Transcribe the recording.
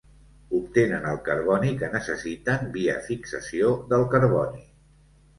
Obtenen el carboni que necessiten via fixació del carboni.